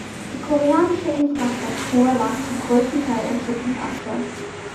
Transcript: Die koreanische Infrastruktur lag zum größten Teil in Schutt und Asche.